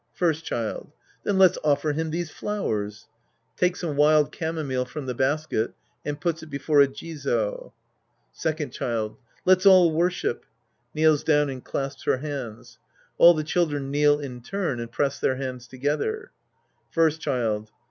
First Child. Then let's offer him these flowers. {J'akes some wild camomile from the basket and puts it before a Jizo ^^ Second Child. Let's all worship. {Kneels down and clasps her hands. All tlu children kneel in turn and press their hands together.) ^^ First Child.